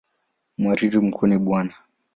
Mhariri mkuu ni Bw.